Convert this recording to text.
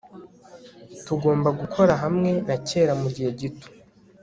tugomba gukora hamwe na kera mugihe gito